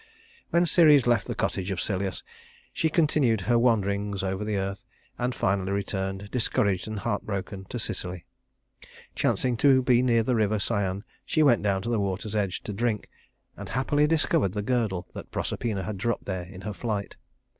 When Ceres left the cottage of Celeus, she continued her wanderings over the earth, and finally returned, discouraged and heartbroken, to Sicily. Chancing to be near the river Cyane, she went down to the water's edge to drink, and happily discovered the girdle that Proserpina had dropped there in her flight.